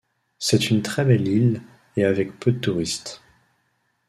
C'est une très belle île et avec peu de touriste.